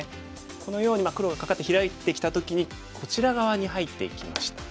このように黒がカカってヒラいてきた時にこちら側に入っていきました。